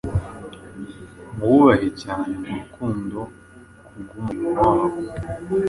Mububahe cyane mu rukundo ku bw’umurimo wabo.